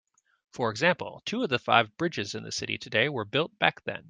For example, two of the five bridges in the city today were built back then.